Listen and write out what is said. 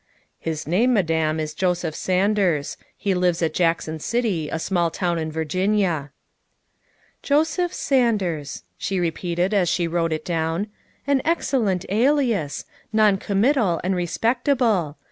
' His name, Madame, is Joseph Sanders. He lives at Jackson City, a small town in Virginia." '' Joseph Sanders, '' she repeated as she wrote it down, " an excellent alias non committal and respectable.